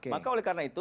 maka oleh karena itu